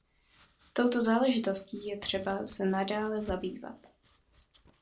Touto záležitostí je třeba se nadále zabývat.